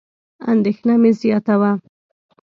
اندېښنه مې زیاته وه.